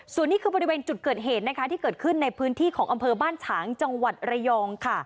ส่วนนี้คือบริเวณจุดเกิดเหตุนะคะที่เกิดขึ้นในพื้นที่ของอำเภอบ้านฉางจังหวัดระยองค่ะ